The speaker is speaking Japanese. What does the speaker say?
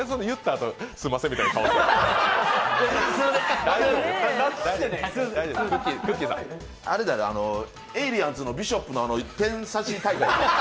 あれだな、エイリアンズのビショップのペン差し大会？